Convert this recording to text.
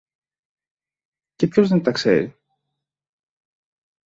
Και ποιος δεν τα ξέρει!